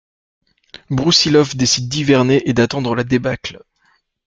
Broussilov décide d'hiverner et d'attendre la débâcle.